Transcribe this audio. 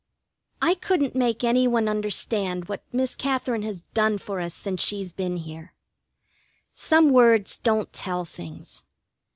I couldn't make any one understand what Miss Katherine has done for us since she's been here. Some words don't tell things.